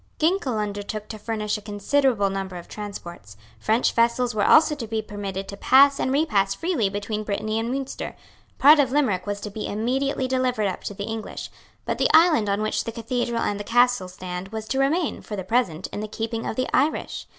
Ginkell undertook to furnish a considerable number of transports. French vessels were also to be permitted to pass and repass freely between Britanny and Munster. Part of Limerick was to be immediately delivered up to the English. But the island on which the Cathedral and the Castle stand was to remain, for the present, in the keeping of the Irish.